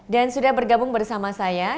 dan sudah bergabung bersama saya